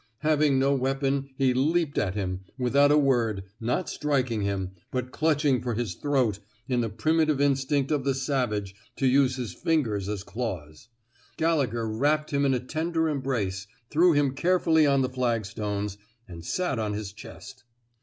Hav ing no weapon, he leaped at him, without a word, not striking him, but clutching for his throat, in the primitive instinct of the sav age to use his fingers as claws. Gallegher wrapped him in a tender embrace, threw him carefully on the flagstones, and sat on his chest.